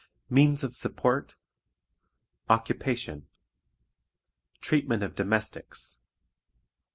Means of Support. Occupation. Treatment of Domestics.